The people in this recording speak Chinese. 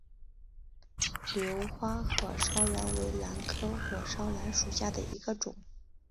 疏花火烧兰为兰科火烧兰属下的一个种。